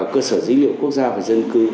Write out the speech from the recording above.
cơ sở dữ liệu quốc gia và dân cư